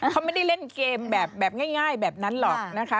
เขาไม่ได้เล่นเกมแบบง่ายแบบนั้นหรอกนะคะ